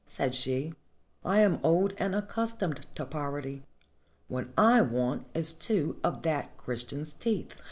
said she. "I am old and accustomed to poverty. What I want is two of that Christian's teeth.